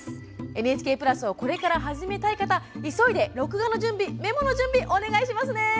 ＮＨＫプラスをこれから始めたい方急いで録画、メモの準備をお願いしますね。